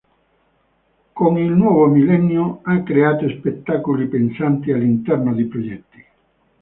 Con il nuovo millennio ha creato spettacoli pensati all'interno di progetti.